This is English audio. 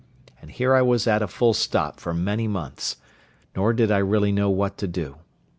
And here I was at a full stop for many months; nor did I really know what to do.